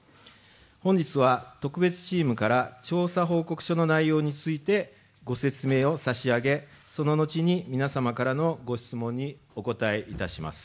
本日は特別チームから調査報告書の内容についてご説明を差し上げ、その後に皆様からのご質問にお答えします。